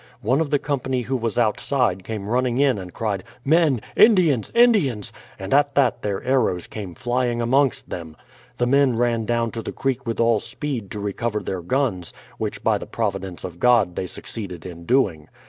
One of the company who was outside came running in and cried: "Men; Indians, Indians"; and at that their arrows came tlying amongst them ! The men ran down to the creek with all speed to recover their guns, which by the providence of God they succeeded in doing.